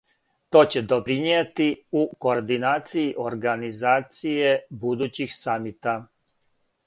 То ће допринијети у координацији организације будућих самита.